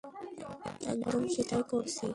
একদম, সেটাই করছি।